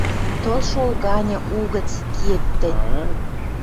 Тылшол ганьы угӹц киэт тӹнь: